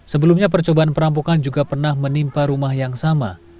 sebelumnya percobaan perampokan juga pernah menimpa rumah yang sama